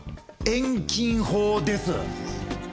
遠近法です！